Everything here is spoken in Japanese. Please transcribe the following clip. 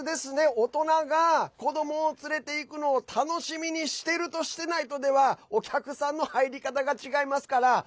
大人が子どもを連れて行くのを楽しみにしてるとしていないとではお客さんの入り方が違いますから。